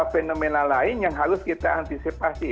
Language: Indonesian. fenomena lain yang harus kita antisipasi